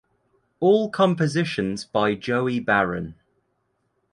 All compositions by Joey Baron